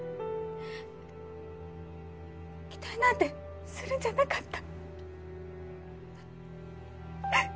期待なんてするんじゃなかった。